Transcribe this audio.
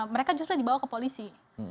mereka justru dibawa ke polisi